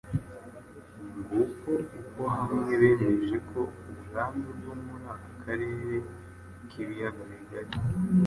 Nguko uko hamwe bemeje ko ubwami bwo muri aka karere k'ibiyaga bigari